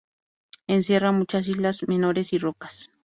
Encierra muchas islas menores y rocas.